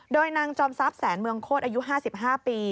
โดยนางจอมทรัพย์แสนเมืองโคตรอายุ๕๕ปี